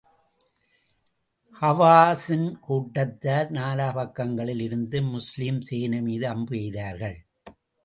ஹவாஸின் கூட்டத்தார் நாலா பக்கங்களில் இருந்தும் முஸ்லிம் சேனை மீது அம்பு எய்தார்கள்.